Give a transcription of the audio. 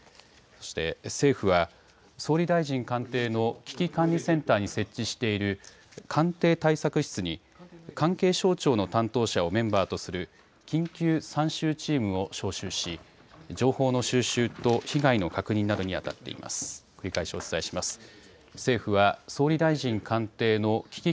そして政府は総理大臣官邸の危機管理センターに設置している官邸対策室に関係省庁の担当者をメンバーとする緊急参集チームを招集し、情報の収集と被害の確認などにあたっています。